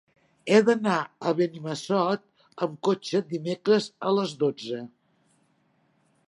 He d'anar a Benimassot amb cotxe dimecres a les dotze.